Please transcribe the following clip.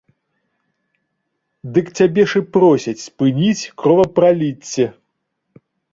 Дык цябе ж і просяць спыніць кровапраліцце!